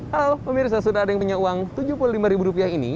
halo pemirsa sudah ada yang punya uang rp tujuh puluh lima ribu rupiah ini